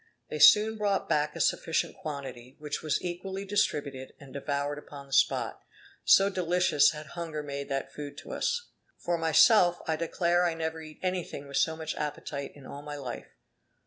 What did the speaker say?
They soon brought back a sufficient quantity, which was equally distributed, and devoured upon the spot, so delicious had hunger made that food to us. For myself, I declare I never eat anything with so much appetite in all my life.